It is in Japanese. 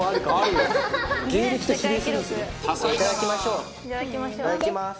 いただきます。